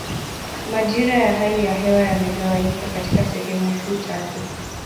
Majira ya hali ya hewa yamegawanyika katika sehemu kuu tatu